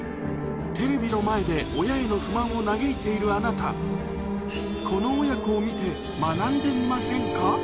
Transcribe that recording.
テレビの前で、親への不満を嘆いているあなた、この親子を見て学んでみませんか？